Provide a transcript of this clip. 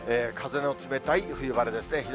風の冷たい冬晴れですね。